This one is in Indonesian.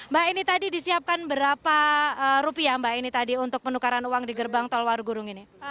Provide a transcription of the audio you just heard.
mbak ini tadi disiapkan berapa rupiah mbak ini tadi untuk penukaran uang di gerbang tol warugurung ini